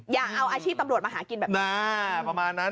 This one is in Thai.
อย่าเอาอาชีพตำรวจมาหากินแบบนี้